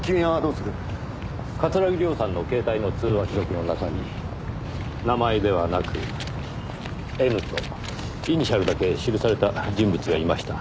桂木涼さんの携帯の通話記録の中に名前ではなく「Ｎ」とイニシャルだけ記された人物がいました。